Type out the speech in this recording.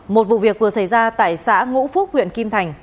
một vụ việc vừa xảy ra tại xã ngũ phúc huyện kim thành